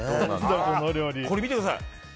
これ、見てください。